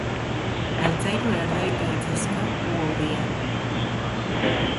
Altzairu herdoilgaitzezko U hodia.